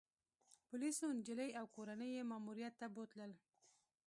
پولیسو انجلۍ او کورنۍ يې ماموریت ته بوتلل